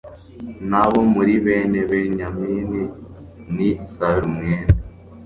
n abo muri bene benyamini ni salu mwene